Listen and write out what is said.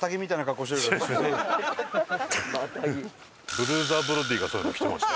ブルーザー・ブロディがそういうの着てました。